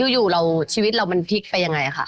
อยู่ชีวิตเรามันพลิกไปอย่างไรล่ะค่ะ